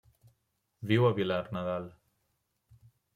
Viu a Vilarnadal.